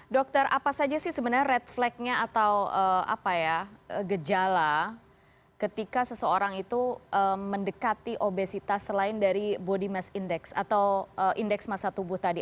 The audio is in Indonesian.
dokter apa saja sih sebenarnya red flag nya atau gejala ketika seseorang itu mendekati obesitas selain dari body mass index atau indeks masa tubuh tadi